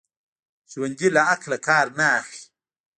ژوندي له عقل نه کار اخلي